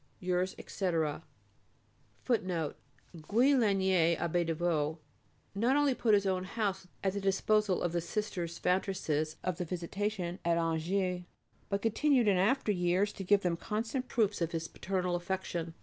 Yours, etc. FOOTNOTES: [A] Guy Lanier Abbé de Vaux not only put his own house at the disposal of the Sisters foundresses of the Visitation at Angers, but continued in after years to give them constant proofs of his paternal affection.